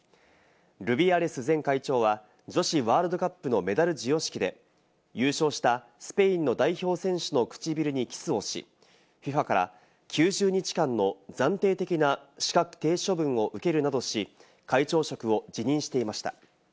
ルビアレス前会長は女子ワールドカップのメダル授与式で、優勝したスペインの代表選手の唇にキスをし、ＦＩＦＡから９０日間の暫定的な資格停止処分を受けるなどし、会長職を辞任していました。